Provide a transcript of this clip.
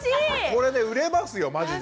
これね売れますよマジで。